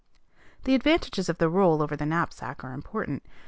The advantages of the roll over the knapsack are important.